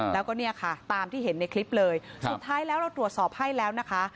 แล้วก็เนี่ยค่ะตามที่เห็นในคลิปเลยสุดท้ายแล้วเราตรวจสอบให้แล้วนะคะ